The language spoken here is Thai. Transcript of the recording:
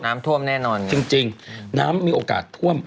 น้ำท่วมแน่นอนจริงน้ำมีโอกาสท่วม